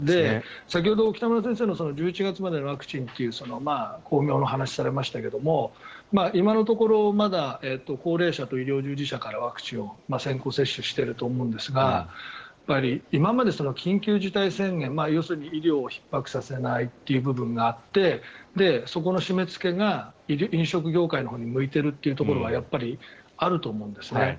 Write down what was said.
先ほどの北村先生の１１月までのワクチンという光明の話をされましたけど今のところまだ高齢者と医療従事者からワクチンを先行接種していると思いますが今まで、緊急事態宣言医療をひっ迫させないというところがあってそこの締めつけが飲食業界に向いているというところはあると思うんですね。